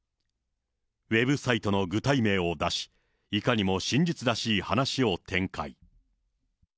ウェブサイトの具体名を出し、いかにも真実らしい話を展開。